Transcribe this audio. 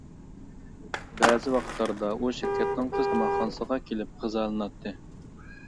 بەزى ۋاقىتلاردا، ئۇ شىركەتنىڭ تېز تاماقخانىسىغا كېلىپ غىزالىناتتى.